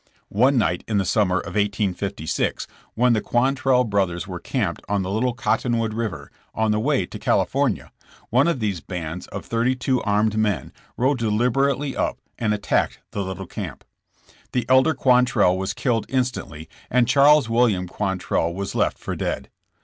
One night in the summer of 1856, when the Quantrell brothers were camped on the Little Cottonwood river, on the way to California, one of these bands of thirty two armed men rode deliberately up and at tacked the little camp. The elder Quantrell was killed instantly and Charles William Quantrell was left for dead.